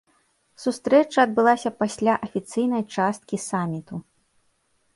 Сустрэча адбылася пасля афіцыйнай часткі саміту.